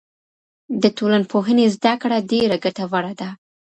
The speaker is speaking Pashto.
د ټولنپوهنې زده کړه ډېره ګټوره ده.